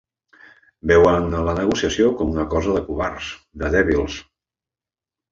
Veuen la negociació com una cosa de covards, de dèbils.